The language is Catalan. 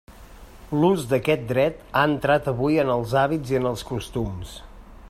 L'ús d'aquest dret ha entrat avui en els hàbits i en els costums.